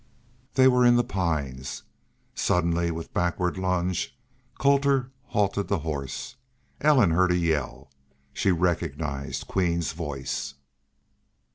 They were in the pines. Suddenly with backward lunge Colter halted the horse. Ellen heard a yell. She recognized Queen's voice.